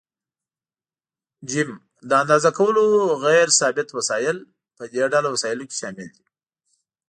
ج: د اندازه کولو غیر ثابت وسایل: په دې ډله وسایلو کې شامل دي.